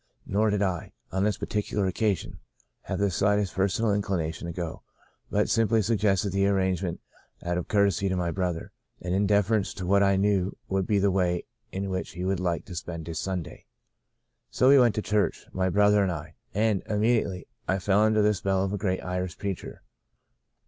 Nor did I, on this particular occasion, have the slightest personal inclination to go, but simply sug gested the arrangement out of courtesy to my brother, and in deference to what I knew would be the way in which he would like to spend his Sunday. So we went to church, my brother and I, and, immediately, I fell under the spell of a great Irish preacher.